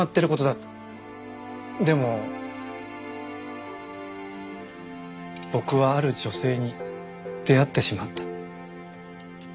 でも僕はある女性に出会ってしまった。